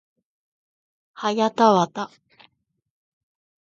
はやたわた